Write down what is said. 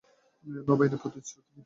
নবায়নের প্রতিশ্রুতি মিথ্যা।